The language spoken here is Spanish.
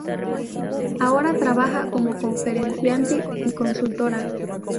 Ahora trabaja como conferenciante y consultora.